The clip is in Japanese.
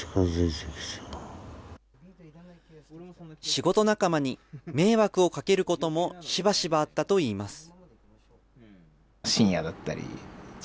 仕事仲間に迷惑をかけることもしばしばあったといいます。